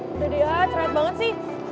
udah deh ah cerit banget sih